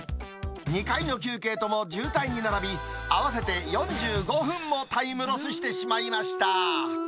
２回の休憩とも渋滞に並び、合わせて４５分もタイムロスしてしまいました。